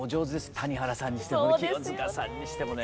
谷原さんにしても清塚さんにしてもね。